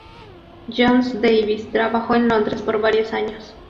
Jones-Davies trabajó en Londres por varios años.